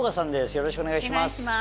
よろしくお願いします。